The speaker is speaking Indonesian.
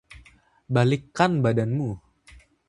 Balikkan badanmu.